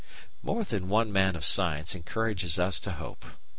More than one man of science encourages us to hope.